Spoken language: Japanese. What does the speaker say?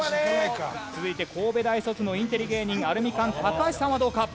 続いて神戸大卒のインテリ芸人アルミカン高橋さんはどうか？